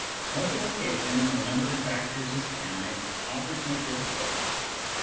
Multiplication when the number of factors is finite offers no difficulty.